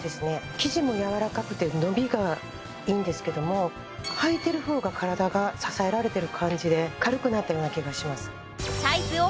生地もやわらかくて伸びがいいんですけどもはいてる方が体が支えられてる感じで軽くなったような気がします